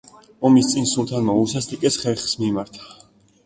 ომის წინ სულთანმა უსასტიკეს ხერხს მიმართა.